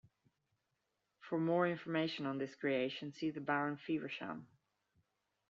For more information on this creation, see the Baron Feversham.